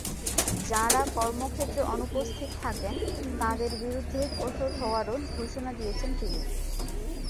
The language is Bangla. যাঁরা কর্মক্ষেত্রে অনুপস্থিত থাকেন, তাঁদের বিরুদ্ধে কঠোর হওয়ারও ঘোষণা দিয়েছেন তিনি।